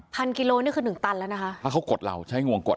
กิโลนี่คือหนึ่งตันแล้วนะคะถ้าเขากดเราใช้งวงกด